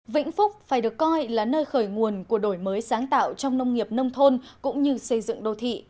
vĩnh phúc phải được coi là nơi khởi nguồn của đổi mới sáng tạo trong nông nghiệp nông thôn cũng như xây dựng đô thị